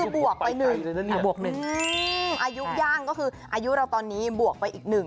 บวกไป๑อายุย่างก็คืออายุเราตอนนี้บวกไปอีก๑